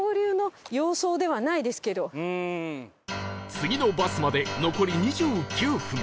次のバスまで残り２９分